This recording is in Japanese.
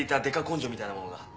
根性みたいなものが。